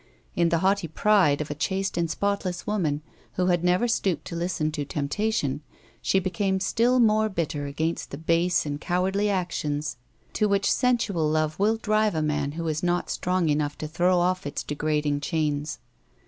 In the haughty pride of a chaste and spotless woman, who had never stooped to listen to temptation, she became still more bitter against the base and cowardly actions to which sensual love Avill drive a man who is not strong enough to throw off its degrading chains.